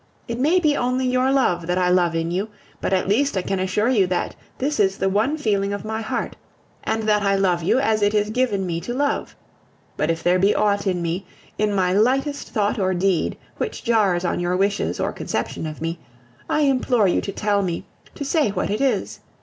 It may be only your love that I love in you; but at least I can assure you that this is the one feeling of my heart, and that I love you as it is given me to love. But if there be aught in me, in my lightest thought or deed, which jars on your wishes or conception of me, I implore you to tell me, to say what it is.